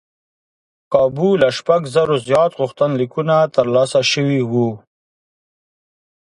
کابو له شپږ زرو زیات غوښتنلیکونه ترلاسه شوي و.